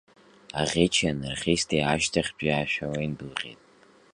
Аӷьычи анархисти ашьҭахьтәи ашәала индәылҟьеит.